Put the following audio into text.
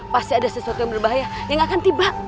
pasti ada sesuatu yang berbahaya yang akan tiba